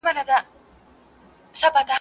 کوټ کوټ دلته لري، هگۍ بل ځاى اچوي.